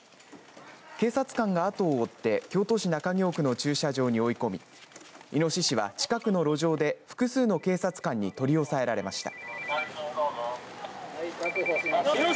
警察官が、あとを追って京都市中京区の駐車場に追い込みイノシシは、近くの路上で複数の警察官に取り押さえられていました。